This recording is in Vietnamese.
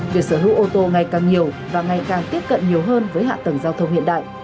việc sở hữu ô tô ngày càng nhiều và ngày càng tiếp cận nhiều hơn với hạ tầng giao thông hiện đại